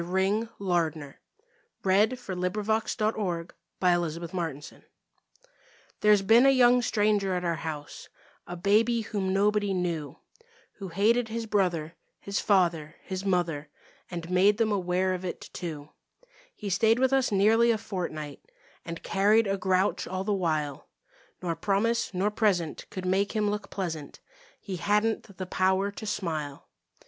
A VISIT FROM YOUNG GLOOM There's been a young stranger at our house, A baby whom nobody knew; Who hated his brother, his father, his mother, And made them aware of it, too. He stayed with us nearly a fortnight And carried a grouch all the while, Nor promise nor present could make him look pleasant; He hadn't the power to smile.